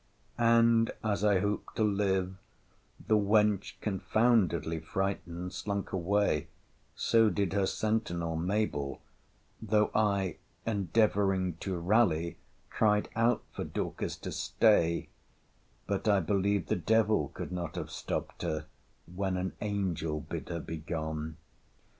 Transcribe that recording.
And, as I hope to live, the wench, confoundedly frightened, slunk away; so did her sentinel Mabell; though I, endeavouring to rally, cried out for Dorcas to stay—but I believe the devil could not have stopt her, when an angel bid her begone.